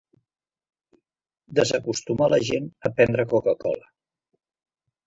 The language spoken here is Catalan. Desacostumar la gent a prendre Coca-cola.